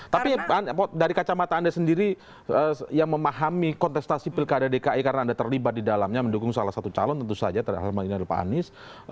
tapi dari kacamata anda sendiri yang memahami kontestasi pilkada dki karena anda terlibat di dalamnya mendukung salah satu calon tentu saja terhadap ini adalah pak anies